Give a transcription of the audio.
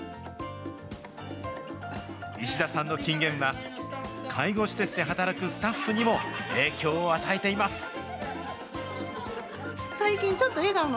石田さんの金言は、介護施設で働くスタッフにも影響を与えています。